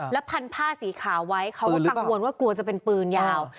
พันผ้าสีขาวไว้เขาก็กังวลว่ากลัวจะเป็นปืนยาว